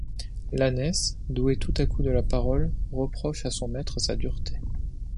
L'ânesse, douée tout à coup de la parole, reproche à son maître sa dureté.